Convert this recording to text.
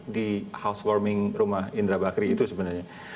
di housewarming rumah indra bakri itu sebenarnya